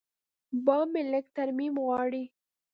بام مې لږ ترمیم غواړي.